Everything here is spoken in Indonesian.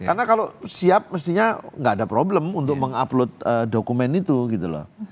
karena kalau siap mestinya gak ada problem untuk mengupload dokumen itu gitu loh